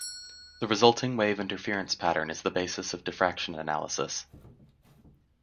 The resulting wave interference pattern is the basis of diffraction analysis.